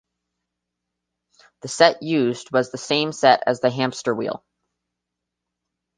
The set used was the same set as The Hamster Wheel.